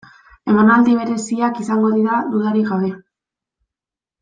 Emanaldi bereziak izango dira, dudarik gabe.